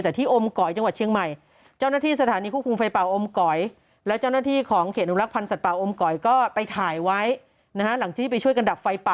แต่ที่อมก๋อยจังหวัดเชียงใหม่